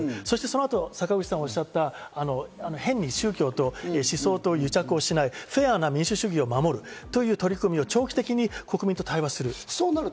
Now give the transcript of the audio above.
そのあと坂口さんがおっしゃった、変に宗教と思想と癒着しない、フェアな民主主義を守るという取り組みを長期的に対話する。